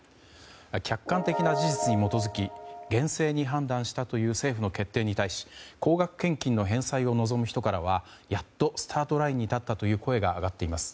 客観的な事実に基づき厳正に判断したという政府の決定に対し高額献金の返済を望む人からはやっとスタートラインに立ったという声が上がっています。